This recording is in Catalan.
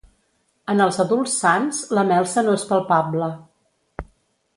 En els adults sans, la melsa no és palpable.